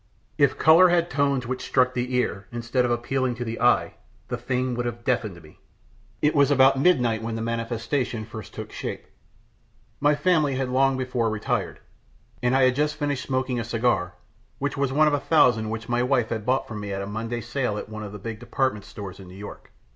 If color had tones which struck the ear, instead of appealing to the eye, the thing would have deafened me. It was about midnight when the manifestation first took shape. My family had long before retired, and I had just finished smoking a cigar which was one of a thousand which my wife had bought for me at a Monday sale at one of the big department stores in New York.